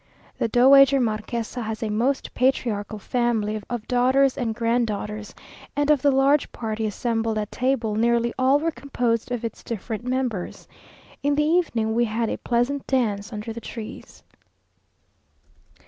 The dowager marquesa has a most patriarchal family of daughters and grand daughters, and of the large party assembled at table, nearly all were composed of its different members. In the evening we had a pleasant dance under the trees.